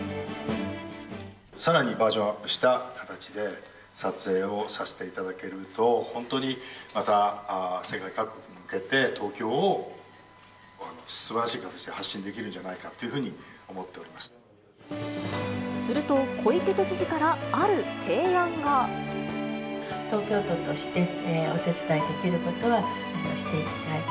さらにバージョンアップした形で、撮影をさせていただけると、本当にまた世界各国に向けて、東京をすばらしい形で発信できるんじゃないかというふうに思ってすると、小池都知事からある東京都として、お手伝いできることはしていきたい。